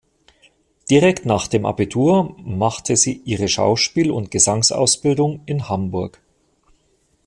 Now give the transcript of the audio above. Direkt nach dem Abitur machte sie ihre Schauspiel- und Gesangsausbildung in Hamburg.